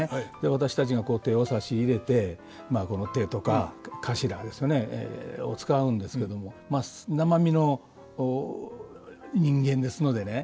私たちが手を差し入れてまあ手とか頭ですよねを遣うんですけどもまあ生身の人間ですのでね。